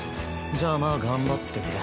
じゃあまあ頑張ってくれ。